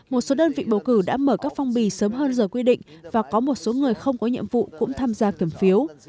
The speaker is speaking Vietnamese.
một số đơn vị bầu cử đã mở các phong bì sớm hơn giờ quy định và có một số người không có nhiệm vụ cũng tham gia kiểm phiếu